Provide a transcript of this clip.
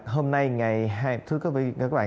hôm nay ngày hai mươi bốn trên bảy